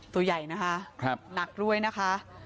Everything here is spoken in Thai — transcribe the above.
ตัวใหญ่นะคะหนักด้วยนะคะ